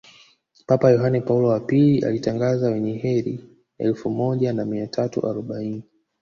papa yohane paulo wa pili alitangaza Wenye kheri elfu moja na mia tatu arobaini